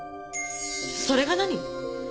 それが何？